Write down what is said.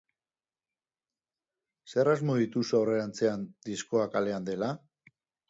Zer asmo dituzu aurrerantzean, diskoa kalean dela?